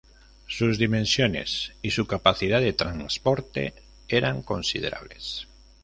Sus dimensiones y su capacidad de transporte eran considerables.